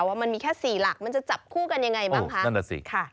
ว่ามันมีแค่๔หลักมันจะจับคู่กันอย่างไรบ้างคะ